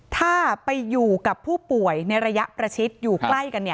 ถ้าไปอยู่กับผู้ป่วยในระยะประชิดอยู่ใกล้กัน